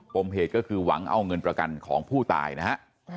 มเหตุก็คือหวังเอาเงินประกันของผู้ตายนะฮะ